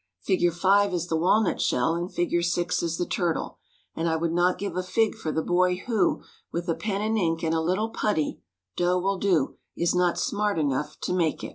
Fig. 5 is the walnut shell, and Fig. 6 is the turtle; and I would not give a fig for the boy who, with a pen and ink and a little putty (dough will do), is not smart enough to make it.